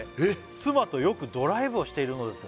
「妻とよくドライブをしているのですが」